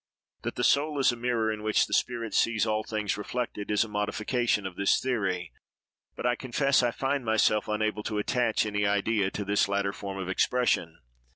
That the soul is a mirror in which the spirit sees all things reflected, is a modification of this theory; but I confess I find myself unable to attach any idea to this latter form of expression.